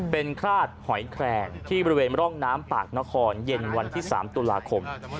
เป็นคราดหอยแคลงที่บริเวณร่องน้ำปากนครเย็นวันที่๓ตุลาคม